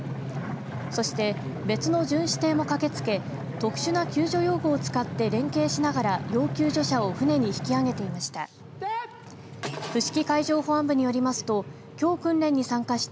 そして、別の巡視艇も駆けつけ特殊な救助用具を使って連携しながら要救助者を船に引き揚げていました。